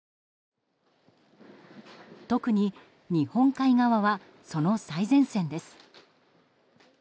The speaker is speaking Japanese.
特に、日本海側はその最前線です。